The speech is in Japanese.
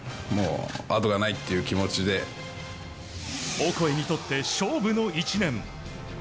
オコエにとって勝負の１年。